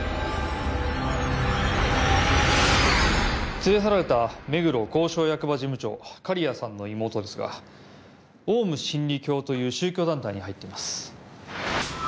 連れ去られた目黒公証役場事務長假谷さんの妹ですがオウム真理教という宗教団体に入っています。